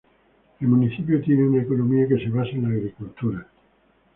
El municipio tiene una economía que se basa en la agricultura.